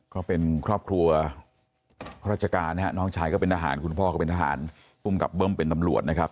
ก็เป็นครอบครัวราชการนะฮะน้องชายก็เป็นทหารคุณพ่อก็เป็นทหารภูมิกับเบิ้มเป็นตำรวจนะครับ